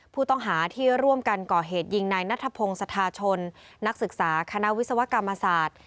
ผู้ต้องหาที่ร่วมกันก่อเหตุยิงนายนัทพงศธาชนนักศึกษาคณะวิศวกรรมศาสตร์